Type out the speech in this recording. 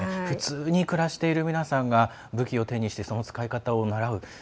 普通に暮らしている皆さんが、武器を手にしてその使い方を習う。